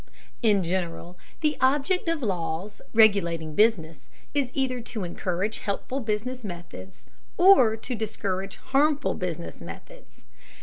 In general, the object of laws regulating business is either to encourage helpful business methods, or to discourage harmful business methods.